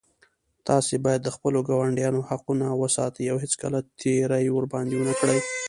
تاسو باید د خپلو ګاونډیانو حقونه وساتئ او هېڅکله تېری ورباندې ونه کړئ